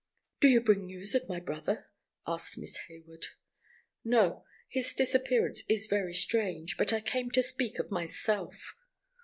"Do you bring news of my brother?" asked Miss Hayward. "No! His disappearance is very strange. But I came to speak of myself."